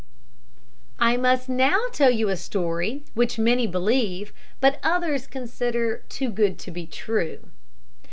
I must now tell you a story which many believe, but which others consider "too good to be true."